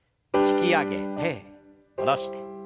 引き上げて下ろして。